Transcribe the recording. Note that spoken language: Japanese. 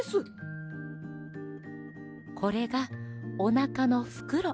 これがおなかのフクロ。